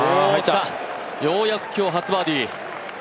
ようやく今日初バーディー。